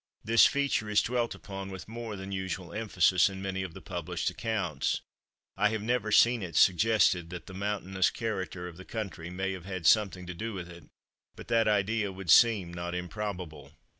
This feature is dwelt upon with more than usual emphasis in many of the published accounts. I have never seen it suggested that the mountainous character of the country may have had something to do with it, but that idea would seem not improbable.